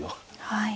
はい。